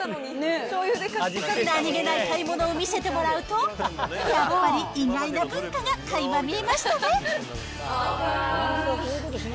何気ない買い物を見せてもらうと、やっぱり意外な文化がかいま見えましたね。